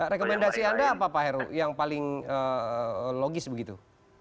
rekomendasi anda apa pak heru yang paling logis begitu